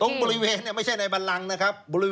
บริเวณไม่ใช่ในบันลังนะครับ